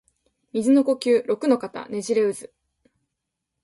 水の呼吸陸ノ型ねじれ渦（ろくのかたねじれうず）